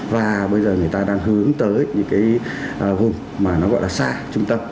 và bây giờ người ta đang hướng tới những cái vùng mà nó gọi là xa trung tâm